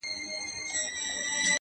ستا په تعويذ كي به خپل زړه وويني؛